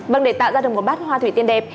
vâng để tạo ra được một bát hoa thủy tiên đẹp